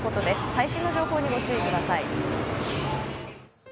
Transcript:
最新の情報にご注意ください。